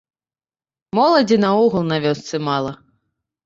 Моладзі наогул на вёсцы мала.